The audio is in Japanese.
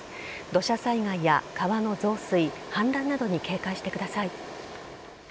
土砂災害や川の増水氾濫などに警戒してください。